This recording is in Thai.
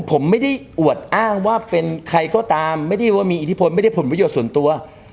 ผมไม่ได้อวดอ้างว่าเป็นใครก็ตามไม่ได้ว่ามีอิทธิพลไม่ได้ผลประโยชน์ส่วนตัว